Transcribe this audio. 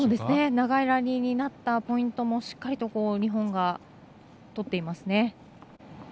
長いラリーになったポイントも、しっかり日本が取っていますね。